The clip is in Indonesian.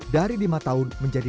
dari dimatikan oleh ketua dpd